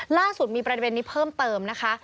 ล่าสุดมีประเด็นนี้เพิ่มเติมนะคะ